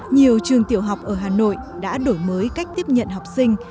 nhiều trường tiểu học ở hà nội đã đổi mới cách tiếp nhận học sinh